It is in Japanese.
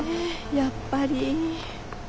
やっぱり。